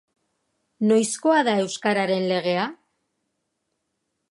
Noizkoa da Euskararen Legea?